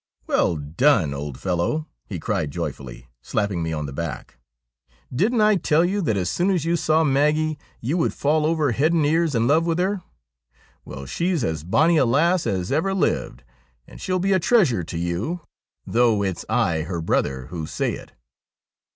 ' Well done! old fellow,' he cried joyfully, slapping me on the back. ' Didn't I tell you that as soon as you saw Maggie THE SPECTRE OF BARROCHAN 49 you would fall over head and ears in love with her ? Well, she's as bonnie a lass as ever lived, and she'll be a treasure to you, though it's I, her brother, who say it.'